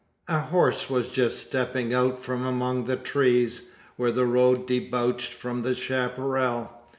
A horse was just stepping out from among the trees, where the road debouched from the chapparal.